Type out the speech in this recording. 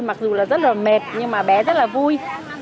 mặc dù là rất là mệt nhưng mà bé rất là vui